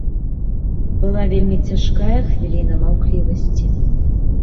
Была вельмі цяжкая хвіліна маўклівасці.